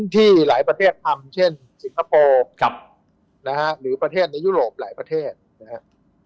ที่หลายประเทศทำเช่นสิงคโปร์หรือประเทศในยุโรปหลายประเทศนะครับ